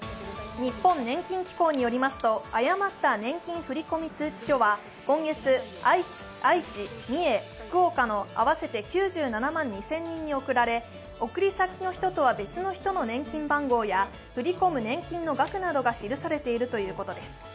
日本年金機構によりますと誤った年金振込通知書は今月、愛知、三重、福岡の合わせて９７万２０００人に送られ、送り先の人とは別の人の年金番号や振り込む年金の額などが記されているということです。